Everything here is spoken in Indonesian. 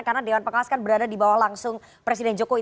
karena dewan pengawas kan berada di bawah langsung presiden jokowi